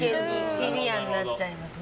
シビアになっちゃいますね。